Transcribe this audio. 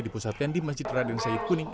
dipusatkan di masjid raden syed kuning